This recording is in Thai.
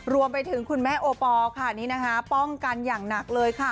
รวมไปถึงคุณแม่โอปอลค่ะนี่นะคะป้องกันอย่างหนักเลยค่ะ